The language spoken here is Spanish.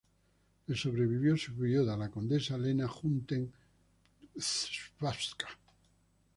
Le sobrevivió su viuda, la condesa Lena Hutten-Czapska.